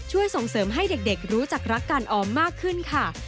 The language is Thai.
ส่งเสริมให้เด็กรู้จักรักการออมมากขึ้นค่ะ